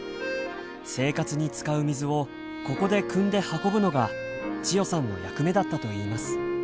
生活に使う水をここでくんで運ぶのが千代さんの役目だったといいます。